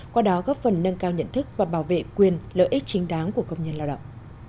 qua đó góp phần nâng cao nhận thức và bảo vệ quyền lợi ích chính đáng của công nhân lao động